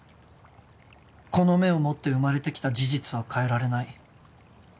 この眼を持って生まれてきた事実は変えられない。